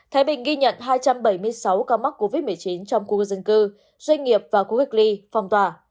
thái bình ghi nhận hai trăm bảy mươi sáu ca mắc covid một mươi chín trong khu dân cư doanh nghiệp và khu vực ly phong tỏa